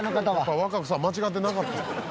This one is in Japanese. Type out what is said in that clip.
和歌子さん間違ってなかった。